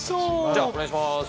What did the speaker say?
じゃあお願いします。